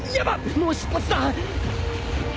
もう出発だ！